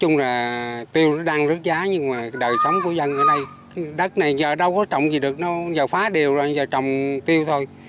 giờ đâu có trồng gì được giờ khóa đều rồi giờ trồng tiêu thôi